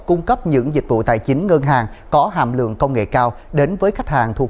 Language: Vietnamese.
cung cấp những dịch vụ tài chính ngân hàng có hàm lượng công nghệ cao đến với khách hàng thuộc